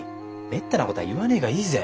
めったな事は言わねえがいいぜ。